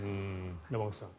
山口さん。